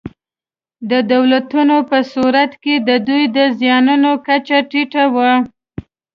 د دولتونو په صورت کې د دوی د زیانونو کچه ټیټه وي.